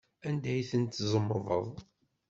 Anda i ten-tzemḍeḍ?